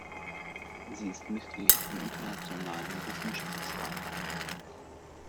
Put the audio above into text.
Sie ist Mitglied im Internationalen Wissenschaftsrat.